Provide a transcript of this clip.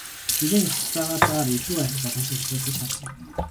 Бидний туслалцаатайгаар илүү ахих боломжтой салбарууд гэж харсан.